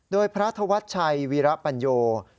โดยพระธวัชชัยวีระปัญโย